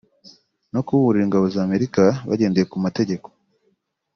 no kuburira ingabo za Amerika bagendeye ku mategeko